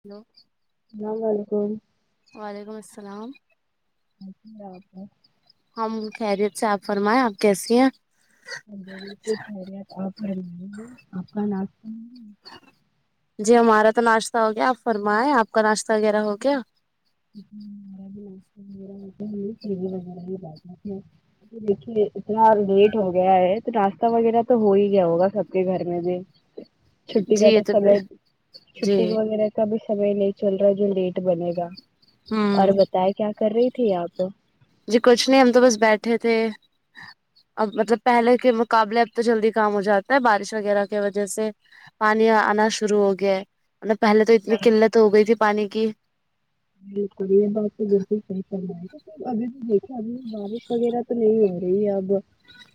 hello اللام و علیکم وعلیکم السلام ا آپ ہم خیریت سے آپ فرمائےیں آپ کیسی ہیں بالکل خیریت آپ ب آفغان آان جی ہمارا تو ناشتہ ہو گیا آپ فرمیں آپ کا ناشتہ وغیرہ ہو گیا یر بھیایرہ وغیرہ ہی بات ہے دیکھیے اتنا لیٹ ہو گیا ہے تو ناشتہ وغیرہ تو ہو ہی گیا ہوگا سب کے گھر میں بھی چھٹی جی کا یہ تو سب جی چھٹی وغیرہ کا بھی سمے نہیں چل رہا جو لیٹ بنے گا اور ہوں بتائے کیا کر رہی تھی آپ جی کچھ نہیں ہم تو بس بیٹھے تھے اب مطلب پہلے کے مقابلے اب تو جلدی کام ہو جاتا ہے بارش وغیرہ کی وجہ سے پانی آنا شروع ہو گیا ہے مط پہلے تو اتنی قلت ہو گئی تھی پانی کی بالکل یہ بس بالکل صحی کرنا ہے ابھی بھی دیکھ اب بارش وغیرہ تو نہیں ہو رہی ہے اب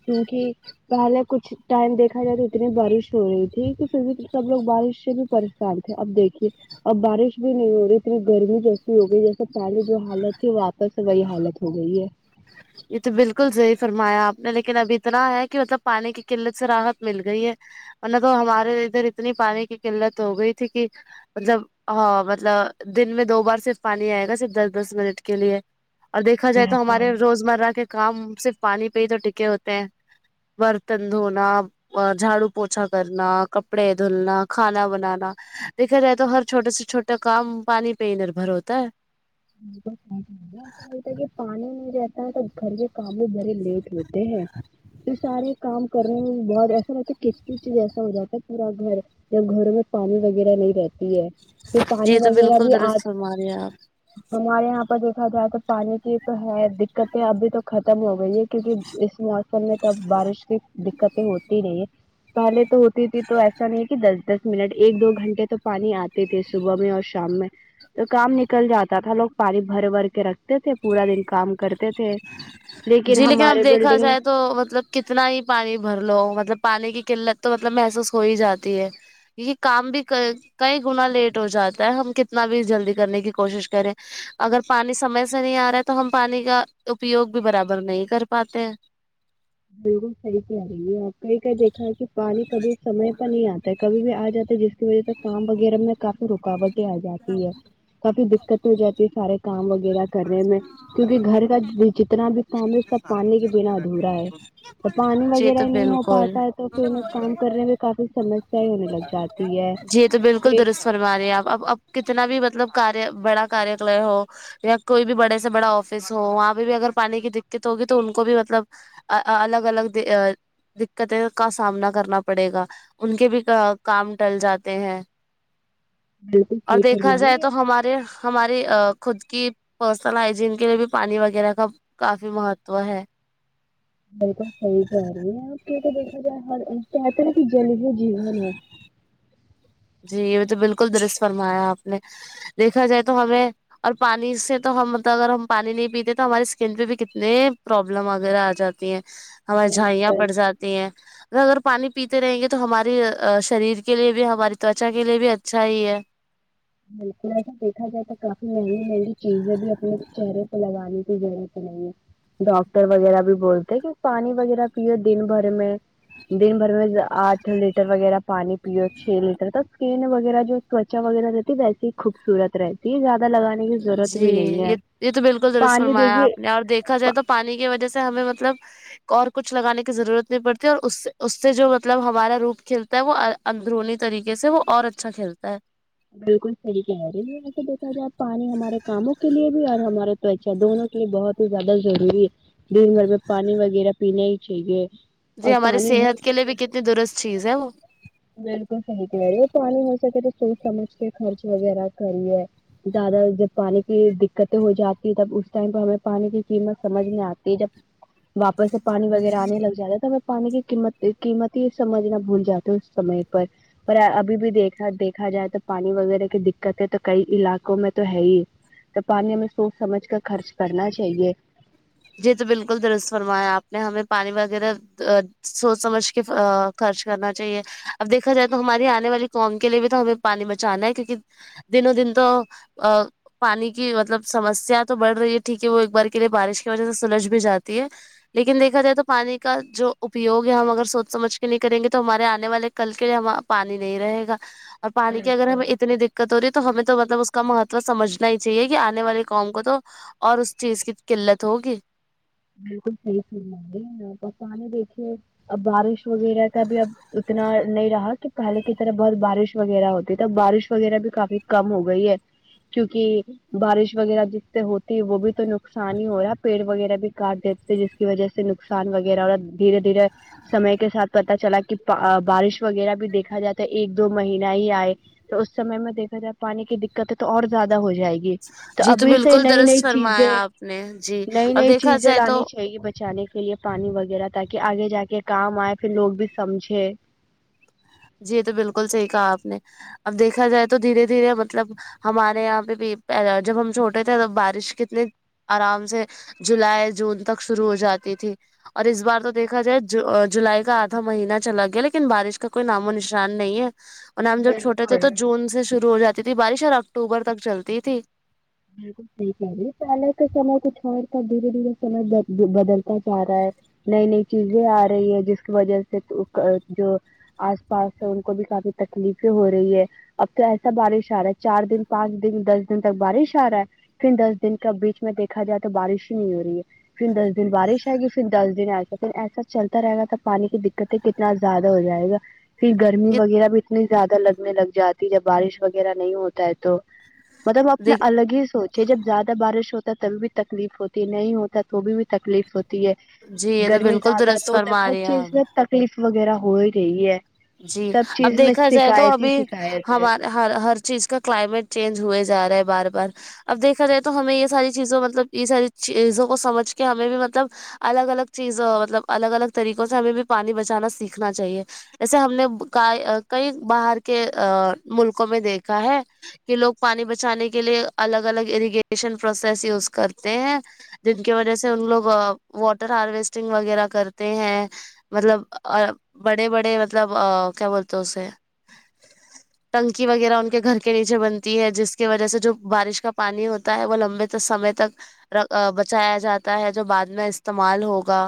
کیونکہ پہلے کچھ ٹائم دیکھا جائے تو اتنی بارش ہو رہی تھی کہ پھر بھی سب لوگ بارش سے بھی پریشان تھے اب دیکھیے اب بارش بھی نہیں ہو رہی اتنی گرمی ج ہو گئی جیسے پہلیے جو حالت تھی واپس وہی حالت ہو گئی ہے یہ تو بالکل صی فرمایا آپ نے لیکن اب اتنا ہے کہ مطلب پانی کی قلت سے راحت مل گئی ہے ورنہ تو ہمارے ادھر اتنی پانی کی قلت ہو گئی تھی کہ مطلب ہاں مطلب دن میں دو بار صرف پانی آئے گا صرف دس دس منٹ کے لیے اور دیکھا جائے تو بالکل ہمارے روزمرہ کے کام صرف پانی پہ ہی تو ٹکے ہوتے ہیں برتن دھونا اور جھاڑو پوچھا کرنا کپڑے دھلنا کھانا بنانا دیکھا جائے تو ہر چھوٹے سے چھوٹا کام پانی پہ ہی نربھر ہوتا ہے [unintelligible] ایسا لگتا ہے کہ پانی نہیں رہتا ہے تو گھر کے کام بھی بھرے لیٹ ہوتے ہیں تو سارے کام کرنے میں بہت ایسا لگتا ہے کچ کچ ایسا ہو جاتا ہے پورا گھر جب گھروں میں پانی وغیرہ نہیں رہتی ہے پھر پانی یہ تو وغیرہ بالکل بھی آج درست فرما رہے ہیں آپ ہمارے یہاں دیکھا جائے تو پانی کی تو ہے دقتیں ابھی تو ختم ہو گئی ہے کیونکہ اس موسم میں تو اب بارش کی دقتیں ہوتی نہیں ہے پہلے تو ہوتی تھی تو ایسا نہیں ہے کہ دس دس منٹ ایک دو گھنٹے تو پانی آتے تھے صبح میں اور شام میں تو کام نکل جاتا تھا لوگ پاری بھر بھر کے رکھتے تھے پورا دن کام کرتے تھے جی لیکن اب ہمارے دیکھا بلڈنگ جائے تو مطلب کتنا ہی پانی بھر لو مطلب پانی کی قلت تو مطلب محسوس ہو ہی جاتی ہے یہ کام بھی کئی گنا لیٹ ہو جاتا ہے ہم کتنا بھی جلدی کرنے کی کوشش کریں اگر پانی سمے سے نہیں آ رہا ہے تو ہم پانی کا اپیوگ بھی برابر نہیں کر پاتے ہیں بالکل صحیح کہ آ رہی ہے آپ پ یہ کہ دیکھا ہے کہ پانی کبھی سمے پر نہیں آتا ہے کبھی بھی آ جاتا جس وجہ سے کام وغیرہ میں کافی رکاوٹیں آ جاتی ہے کافی دقت ہو جاتی ہے سارے کام وغیرہ کرنے میں کیونکہ گھر کا جتنا بھی تو ہمیں سب پانی کے بنا ادھورا ہے تو پانی جی وغیرہ تو ہی نہیں ہو بالکل پاتا ہے تو پ کام کرنے میں کافی سمسیا ہی ہونے لگ جاتی ہے جی یہ تو بالکل پھر درست فرما رہے ہیں آپ اب اب کتنا بھی مطلب کار بڑا ک کے ہو یا کوئی بھی بڑے سے بڑا آفس ہو وہاں پہ بھی اگر پانی کی دقت ہوگی تو ان کو بھی مطلب الگ الگ دقتیں کا سامنا کرنا پڑے گا ان کے بھی کام ٹل جاتے ہیں بالکل اور صحیح دیکھا فرما جائے رہی ہے تو ہمارے ہماری خود کی پرسنل ہجین کے لیے بھی پانی وغیرہ کا بھی مہتو ہے بالکل صحیح کہہ رہی ہے آپ کیک دیکھا جائے ہر کہتے نا کہ جلییہ جیون ہے جی یہ بھی تو بالکل درش فرمایا آپ نے دیکھا جائے تو ہمیں اور پانی سے تو ہملب اگر ہم پانی نہیں پیتے تو ہماری اسکن پہ بھی کتنے پروابلم وغیرہ آ جاتے ہماری جھائیاں جل پڑ جاتی ہیں اگر پانی پیتے رہیں گے تو ہماری شریر کے لیے بھی ہماری توچا کے لیے بھی اچھا ہی ہے بالکل ایسا دیکھا جائے تو کافی ہے ہی نہیں چیزیں بھی اپنے چہرے پہ لگانے کی دنے کے نہیں ہے ڈاکٹر وغیرہ بھی بولتے کہ پانی وغیرہ پیو دن بھر میں دن بھر میں آٹھ لیٹر وغیرہ پانی پیو چھ لیٹر ت اسکین وغیرہ جو تچا وغیرہ ویسی ہی خوبصورت رہتی ہے زیادہ لگانے کی ضرورت جی بھی نہیں ہے یہ پانی دیکھیے کھا جائے پ- تو پانی کی وجہ سے ہمیں مطلب اور کچھ لگانے کی ضرورت نہیں پڑتی اور اس اس سے جو مطلب ہمارا روپ کھیل وہ اندرونی طریقے سے وہ اور اچھا کھیلتا ہے بالکل صحیح کہری ایسے دیکھا جائے پانی ہمارے کاموں کے لیے بھی اور ہمارے تو اچھا دونوں کے لیے بہت ہی زیادہ ضروری ہے دن بھر میں پانی وغیرہ پینے ہی چاہیے جی اور ہماری پانی ہو صحت کے لیے بھی کتنی درست چیز ہے وہ بالکل صحی کہ لہ رہی وہ پانی ہو سکے تو سوچ سمجھ کے خرچ وغیرہ کریے زیادہ جب پانی کی دقتیں ہو جاتی ہے تب اس ٹائم پہ ہمیں پانی کی قیمت سمجھ میں آتی ہے جب ھم واپس میں پانی وغیرہ آنے لگ جاتا ہے تو میں پانی کییمت قیمت ہی سمجھنا بھول جاتی سمے پر پر ابھی بھی دیکھا دیکھا جائے تو پانی وغیرہ کی دقتیں تو کئی علاقوں میں تو ہے ہی تو پانی ہمیں سوچ سمجھ کر خرچ کرنا چاہیے جی تو بالکل درست فرمایا آپ نے ہمیں پانی وغیرہ ا سوچ سمجھ کے خرچ کرنا چاہیے اب دیکھا جائے تو ہماری آنے والی قوم کے لیے بھی تو ہمیں پانی بچانا ہے کیونکہ دنوں دن تو ا پانی کی مطلب سمسیا تو بڑھ رہی ہے ٹھیک ہے وہ ایک بار کے لیے بارش وجہ سے سلج بھی جاتی ہے لیکن دیکھا جائے تو پانی کا جو اپیوگ ہے ہم اگر سوچ سمجھ کے نہیں کریں گے تو ہمارے آنے والے کل کے لیے ہم پانی نہیں رہے گا اور پانی کی اگر ہمیں اتنی د کتوری ہے تو ہمیں تو مطلب اس کا مہتو سمجھنا ہی چاہیے کہ آنے والے قوم کو تو اور اس چیز کی قلت ہوگی بالکل صحیح سل گ پانی دیکھیے اب بارش وغیرہ کا بھی اب اتنا نہیں رہا کہ پہلے کی طرح بہت بارش وغیرہ ہوتی تو بارش وغیرہ بھی کافی کم ہو گئی ہے کیوںکہ بارش وغیرہ جس سے ہوتی ہے وہ بھی تو نقصان ہی ہو رہا ہے پیڑ وغیرہ بھی کاٹ دیتے تھے جس کی وجہ سے نقصان وغیرہ اور دھیرے دھیرے سمے کے ساتھ پتا چلا کہ بارش وغیرہ بھی دیکھا جاتا ہے ایک دو مہینہ ہی آئے تو اس سم میں دیکھا جائے پانی کی دقتیں تو اور زیادہ ہو جائے گی تو جی ابھی سے بالکل نئی درست نئی فرمایا چیزیں آپ نے جی نئی اور نئی دیکھا چیزیں جائے تو لانی چاہ بچانے کے لیے پانی وغیرہ تاکہ آگے جا کے کام آئے پھر لوگ بھی سمجھے جی یہ تو بالکل صحی کہا آپ نے اب دیکھا جائے تو دھیرے دھیرے مطلب ہمارے یہاں پہ بھی جب ہم چھوٹے تھے بارش کتنی آرام سے جولائی جون تک شروع ہو جاتی تھی اور اس بار تو دیکھا جائے جولائی کا آدھا مہینہ چلا گیا لیکن بارش کا کا کوئی نام و نشان نہیں ہے اور نام جب چھوٹے تھے تو بالکل جون سے شرو ہو جاتے جتنی بارش اور اکتوبر تک چلتی تھی جالیک دے پہے کا سمے کچھ اورتا دھیرے دھیرے سمے بدلتا جا رہا ہے نئی نئی چیزیں آ رہی ہے جس کی وجہ سے جو آس پاس ہے ان کو بھی کافی تکلیفیں ہو رہی ہے اب تو ایسا بارش آ رہا ہے چار دن پانچ دن دس دن تک بارش رہا ہے پھر دس دن کا بیچ میں دیکھا جائے تو بارش ہی نہیں ہو رہی ہے پھر دس دن بارش آئے گی پھر دس دن آئےسا پھر ایسا چلتا رہے گا تھا پانی کی د تے کتنا زیادہ ہو جائے گا پھر گرمی ات- وغیرہ بھی اتنی زیادہ لگنے لگ جاتی جب بارش وغیرہ نہیں ہوتا ہے تو مطلب اپنا دیکھ- الگ ہی سوچے جب زیادہ بارش ہوتا ہے تبھی بھی تکلیف ہوتی ہے نہیں ہوتا تو بھی تکلیف ہوتی ہے جی یہ تو گرمی بالکل زیادہ درست تو ت فرما ہر رہی ہیں چیز آپ میں تکلیف وغیرہ ہو ہی رہی ہے جی سب اب چیز میں دیکھا جائے تو شکایت ہی ابھی شکایت ہے ہمار ہر ہر چیز کا کلائمیٹ چینج ہوئے جا رہا ہے بار بار اب دیکھا جائے تو ہمیں یہ ساری چیزوں مطلب یہ ساری چیزوں کو سمجھ کے ہمیں بھی مطلب الگ الگ چیز مطلب الگ الگ طریقوں سے ہمیں بھی پانی بچانا سیکھنا چاہیے جیسے ہم نے کئی باہر کے ملکوں میں دیکھا ہے کہ لوگ پانی بچانے کے لیے الگ الگ اریگیشن پروسیس یوز کرتے ہیں جن کی وجہ سے ان لوگ واٹر ہارویسٹنگ وغیرہ کرتے ہیں مطلب بڑے بڑے مطلب کیا بولتے اسے [unintelligible] نکی وغیرہ ان کے گھر کے نیچے بنتی ہے جس کی وجہ سے جو بارش کا پانی ہوتا ہے وہ لمبے سمے تک بچایا جاتا ہے جو بعد میں استعمال ہوگا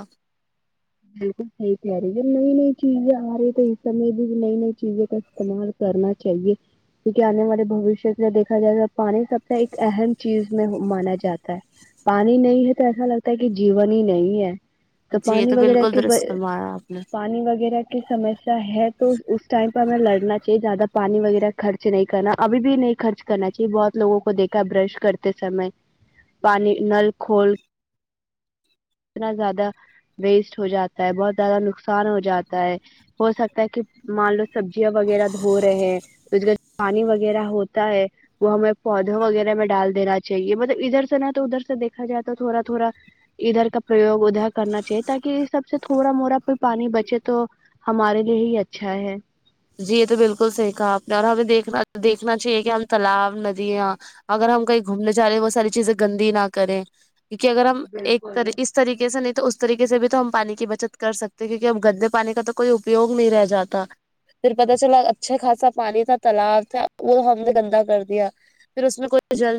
بالکل صحیح کہہ رہی ہے جب نئی نئی چیزیں آ رہی تو اس سمے بھی نئی نئی چیزیں کا استعمال کرنا چاہیے کیونکہ آنے والے بوشیہ سے دیکھا جائے تو پانی سب سے ایک اہم چیز میں مانا جاتا ہے پانی نہیں ہے تو ایسا لگتا ہے کہ جین ہی نہیں ہے جی یہ تو بالکل کہ درست فرمایا آپ نے پانی وغیرہ سمسیا ہے تو اس ٹائم پہ ہمیں لڑنا چاہیے زیادہ پانی وغیرہ خرچ نہیں کرنا ابھی بھی نہیں خرچ کرنا چاہیے بہت لوگوں کو دیکھا برش کرتے سمے پانی نل کھول اتنا زیادہ ویسٹ ہو جاتا ہے بہت زیادہ نقصان ہو جاتا ہے ہو سکتا ہے کہ مان لو سبزیاں وغیرہ دھو رہے ہیں اس کا پانی وغیرہ ہوتا ہے وہ ہمیں پودھوں وغیرہ میں ڈال دینا چاہیے مطلب ادھر سے نہ تو ادھر سے دیکا جائے تو تھوڑا تھوڑا ادھر کا پروگ ادھر کرنا چاہیے تاکہ یہ سب سے تھوڑا موڑا پ پانی بچے تو ہمارے لیے ہی اچھا ہے جی یہ تو بالکل صحی کہا آپ نے اور ہمیں دیکھنا دیکھنا چاہیے کہ ہم تالاب ندیاں اگر ہم کہیں گھومنے جا رہے ہیں وہ ساری چیزیں گندی نہ کریں کیونکہ اگر ہم ایک بالکل طرح طریقے سے نہیں تو اس طریقے سے بھی تو ہم پانی کی بچت کر سکتے کیونکہ اب گندے پانی کا تو کوئی اپیوگ نہیں رہ جاتا پھر پتہ چلا اچھا خاصا پانی تھا تالاب تھا وہ ہم نے گندا کر دیا پھر اس میں کوئی جل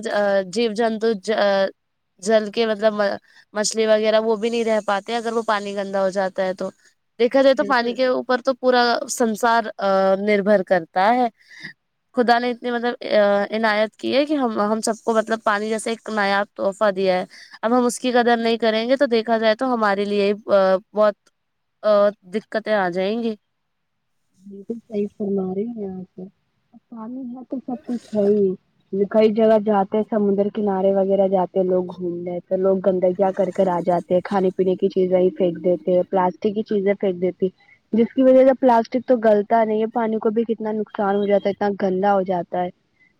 جیو جنتو جل کے مطلب مچھلی وغیرہ وہ بھی نہیں رہ پاتے اگر وہ پانی گندا ہو جاتا ہے تو دیکھا جائے تو پانی بالکل کے اوپر تو پورا سنسار نربھر کرتا ہے خدا نے اتنی مطلب عنایت کی ہے کہ ہم ہم سب کو مطلب پانی جیسے ایک نایاب تحفہ دیا ہے اب ہم اس کی قدر نہیں کریں گے تو دیکھا جائے تو ہمارے لیے بہت دقتیں آ جائیں گی بالکل صحی فرما رہی ہے آپ پانی ہے تو سب کچھ ہے ہی کئی جگہ جاتے سمندر کنارے وغیرہ جاتے ہیں لوگ گھومنے تو لوگ گندگیاں کر کر آ جاتے کھانے پینے کی چیزیں ہی پھینک دیتے پلاسٹک کی چیزیں پھینک دیتی جس کی وجہ سے پلاسٹک تو گلتا نہیں ہے پانی کو بھی کتنا نقصان ہو جاتا ہے اتنا گندا ہو جاتا ہے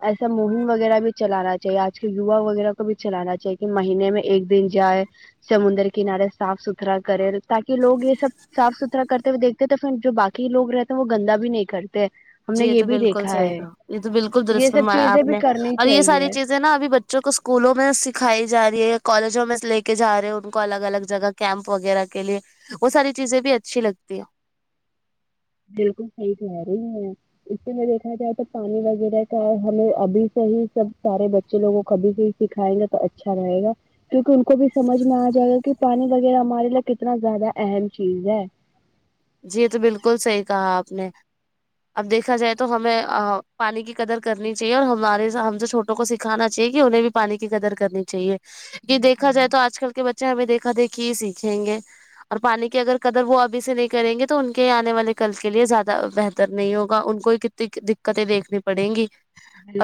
ایسا مہم وغیرہ بھی چلانا چاہیے آج کل یوا وغیرہ کو بھی چلانا چاہے کہ مہینے میں ایک دن جائے سمندر کنارے صاف ستھرا کرے تاکہ لوگ یہ سب صاف ستھرا کرتے ہوئے دیکھتے تو پھر جو باکی لوگ رہتے ہیں وہ گندا بھی نہیں کرتے ہم نے جی یہ تو بھی بالکل دیکھا صحی ہے تھا یہ تو بالکل یہ درست سب فرمایا چیزیں آپ بھی نے کرنی اور یہ ساری چاہیے چیزیں نا ابھی بچوں کو اسکولوں میں سکھائی جای ہے کالجوں میں لے کے جا رہے ہیں ان کو الگ الگ جگہ کیمپ وغیرہ کے لیے وہ ساری چیزیں بھی اچھی لگتی ہے بالکل صحی کہ رہی ہے [inaudible] اسی میں دیکھا جائے تو پانی وغیرہ کا ہمیں ابھی سے ہی سب سارے بچے لوگوں کوبھی سے سکھائیں گے تو اچھا رہے گا کیونکہ ان کو بھی سمجھ میں آ جائے گا کہ پانی وغیرہ ہمارے لیے کتنا زیادہ اہم چیز ہے جی یہ تو بالکل صحی کہا آپ نے اب دیکھا جائے تو ہمیں پانی کی قدر کرنی چاہیے اور ہمارے ہم جو چھوٹے کو سکھانا چاہے کہ انہیں بھی پانی کی قدر کرنی چاہیے کہ دیکھا بالکل جائے تو آج کل کے بچے بچے ہمیں دیکھا دیکھی ہی سیکھیں گے اور پانی کی اگر قدر وہ ابھی سے نہیں کریں گے تو ان کے آنے والے کل کے لیے زیادہ بہتر نہیں ہوگا ان کو کتنی دقتیں دیکھنی پڑیں گی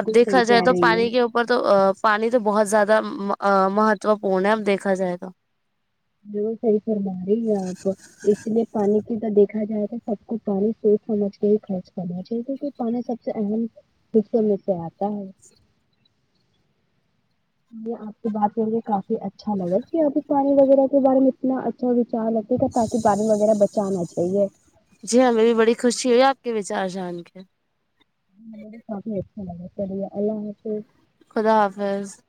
اب دیکھا صحیح جائے کہہ تو رہی ہے پانی کے اوپر تو پانی تو بہت زیادہ مہتوپورن ہے اب دیکھا جائے تو بلکل صحی فرمایا رہی ہے آپ اس لیے پانی کی تو دیکھا جائے تو سب کو پانی سوچ سمجھ کے ہی خرچ کرنا چاہیے کیونکہ پانی سب سے اہم حصوں میں سے آتا ہے آپ سے بات کرکے کافی اچھا لگا کہ آپ نے پانی وغیرہ کے بارے میں اتنا اچھا ویچار ٹھیک ہے تاکہ پانی وغیرہ بچانا چاہیے جی ہاں ہمیں بھی بڑی خوشی ہوئی آپ کے ویچار جان کے کافی اچھا لگا اللہ حافظ خدا حافظ